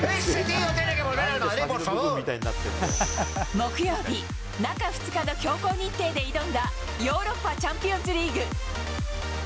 木曜日、中２日の強行日程で挑んだヨーロッパチャンピオンズリーグ。